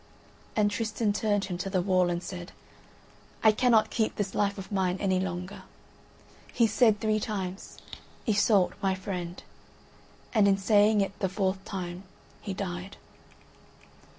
And Tristan turned him to the wall, and said: "I cannot keep this life of mine any longer." He said three times: "Iseult, my friend." And in saying it the fourth time, he died.